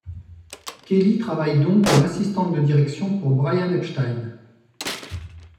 Kelly travaille donc comme assistante de direction pour Brian Epstein.